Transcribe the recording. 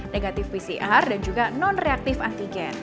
negatif pcr dan juga non reaktif antigen